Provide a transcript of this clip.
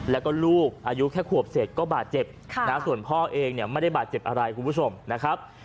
แล้วก็ลูกอายุแค่ขวบเศษก็บาดเจ็บส่วนพ่อเองเนี่ยไม่ได้บาดเจ็บอะไรคุณผู้ชมนะครับ